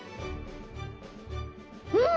うん！